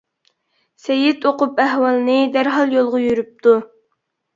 سېيىت ئۇقۇپ ئەھۋالنى، دەرھال يولغا يۈرۈپتۇ.